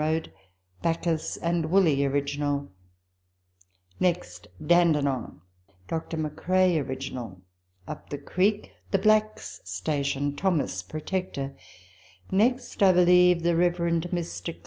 37 road, Bacchus and Woolley (original); next Dandenong, Dr.McCrao (original) ; up the creek, the Blacks' Station (Thomas, protector) ; next, I believe, the Rev. Mr.